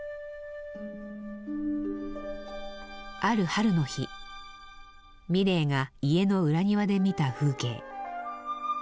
ある春の日ミレーが家の裏庭で見た風景。